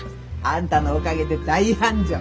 あんたのおかげで大繁盛。